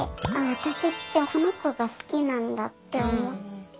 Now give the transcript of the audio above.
私ってこの子が好きなんだって。